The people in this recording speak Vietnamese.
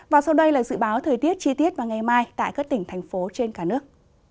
và sau đây là dự báo thời tiết chi tiết vào ngày mai tại các tỉnh thành phố trên cả nước